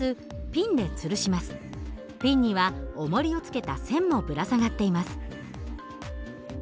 ピンにはおもりを付けた線もぶら下がっています。